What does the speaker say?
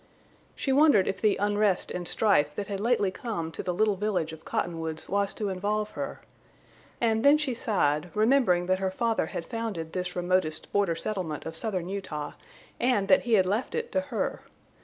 She wondered if the unrest and strife that had lately come to the little village of Cottonwoods was to involve her. And then she sighed, remembering that her father had founded this remotest border settlement of southern Utah and that he had left it to her.